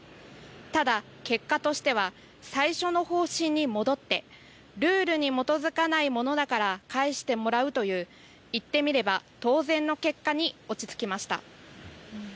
ただ結果としては最初の方針に戻ってルールに基づかないものだから返してもらうという言ってみれば当然の結果に落ち着きました。